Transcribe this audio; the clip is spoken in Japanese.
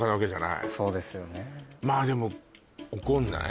まあでも怒んない？